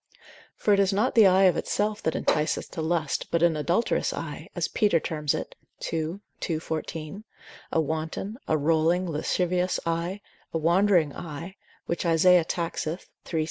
For it is not the eye of itself that enticeth to lust, but an adulterous eye, as Peter terms it, 2. ii. 14. a wanton, a rolling, lascivious eye: a wandering eye, which Isaiah taxeth, iii. 16.